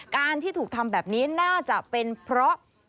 การที่ถูกทำแบบนี้น่าจะเป็นเพราะ